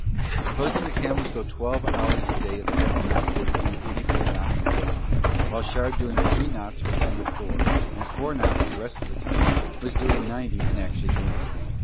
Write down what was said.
Supposing the camels go twelve hours a day at seven knots they would do eighty four knots a day, while Shard doing three knots from ten to four, and four knots the rest of the time, was doing ninety and actually gaining.